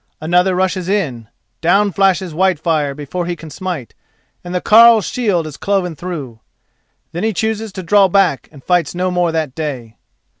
Another rushes in. Down flashes Whitefire before he can smite, and the carle's shield is cloven through. Then he chooses to draw back and fights no more that day.